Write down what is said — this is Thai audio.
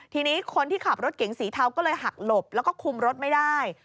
ทีนี้คนที่ขับรถเก๋งสีเทาก็เลยหักหลบแล้วก็คุมรถไม่ได้